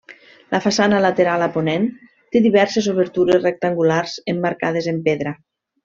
La façana lateral a ponent té diverses obertures rectangulars emmarcades en pedra.